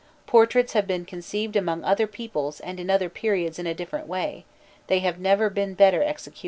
Portraits have been conceived among other peoples and in other periods in a different way: they have never been better executed.